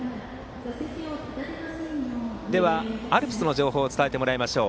では、アルプスの情報を伝えてもらいましょう。